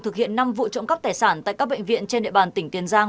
thực hiện năm vụ trộm cắp tài sản tại các bệnh viện trên địa bàn tỉnh tiền giang